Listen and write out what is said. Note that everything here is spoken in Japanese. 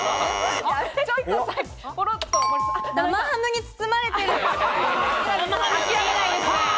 生ハムに包まれてる！